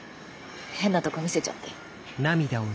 変なとこ見せちゃって。